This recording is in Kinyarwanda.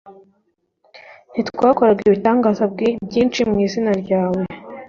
ntitwakoraga ibitangaza byinshi mu izina ryawe